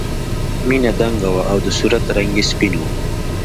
مینه دنګه وه او د صورت رنګ یې سپین و